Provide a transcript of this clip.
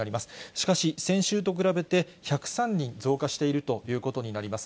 しかし、先週と比べて、１０３人増加しているということになります。